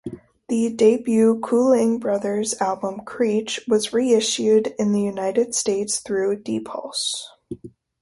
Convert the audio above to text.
The debut Ku-Ling Brothers album "Creach" was reissued in the United States through dPulse.